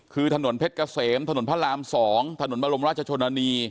คือถนนเพชรเกษมถนนพระราม๒ถนนบรมราชชนนานี